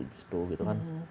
justru gitu kan